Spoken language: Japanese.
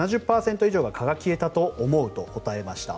７０％以上が蚊が消えたと思うと答えました。